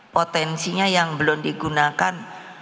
potensinya yang belum digunakan